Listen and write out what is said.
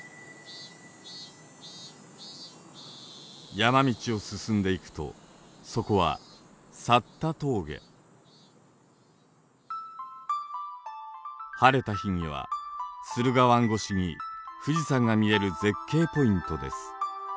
山道を進んでいくとそこは「峠」晴れた日には駿河湾越しに富士山が見える絶景ポイントです。